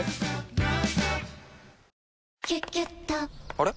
あれ？